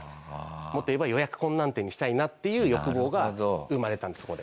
もっと言えば予約困難店にしたいなっていう欲望が生まれたんですそこで。